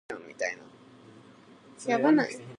Andersen, Steen: Nye forbindelser.